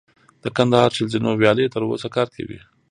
د کندهار چل زینو ویالې تر اوسه کار کوي